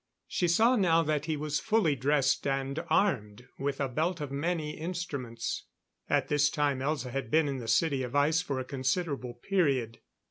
She saw now that he was fully dressed and armed with a belt of many instruments. At this time Elza had been in the City of Ice for a considerable period.